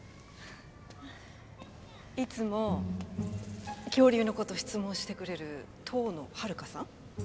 いつも恐竜のことを質問してくれる遠野ハルカさん？